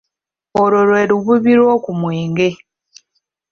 Olwo lwe lububi lw'oku mwenge.